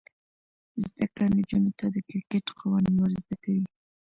زده کړه نجونو ته د کرکټ قوانین ور زده کوي.